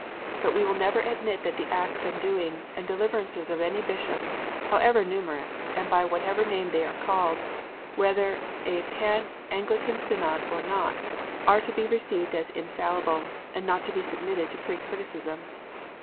But we never will admit that the acts and doings and deliverances of any Bishops, however numerous, and by whatever name they are called, whether a Pan Anglican Synod or not, are to be received as infallible, and not to be submitted to free criticism.